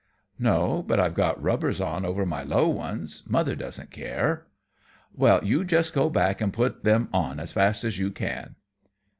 "No; but I've got rubbers on over my low ones. Mother doesn't care." "Well, you just go back and put 'em on as fast as you can."